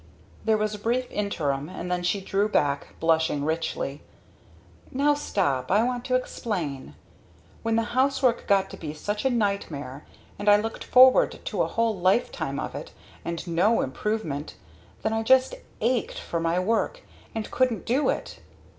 There was a brief interim and then she drew back, blushing richly. "Now stop I want to explain. When the housework got to be such a nightmare and I looked forward to a whole lifetime of it and no improvement; then I just ached for my work and couldn't do it!